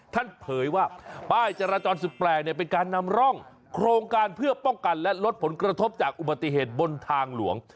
เผยว่าป้ายจราจรสุดแปลกเนี่ยเป็นการนำร่องโครงการเพื่อป้องกันและลดผลกระทบจากอุบัติเหตุบนทางหลวง